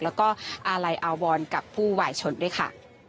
แล้วก็อะไรอาวอนกับผู้หวายชนด้วยค่ะ